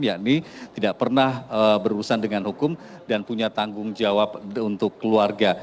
yakni tidak pernah berurusan dengan hukum dan punya tanggung jawab untuk keluarga